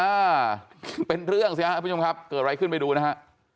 อ่าเป็นเรื่องสิครับทุกผู้ชมครับเกิดอะไรขึ้นไปดูนะฮะ